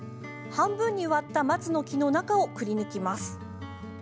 半分に割った松の木の中をくりぬきます。